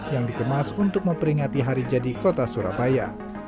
yang dikemas untuk memperingati hari jadi kota surabaya